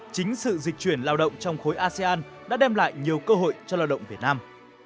chính sự dịch chuyển lao động trong khối asean đã đem lại nhiều cơ hội cho lao động việt nam